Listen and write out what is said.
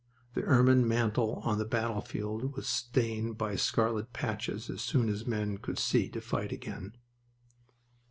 The ermine mantle on the battlefield was stained by scarlet patches as soon as men could see to fight again.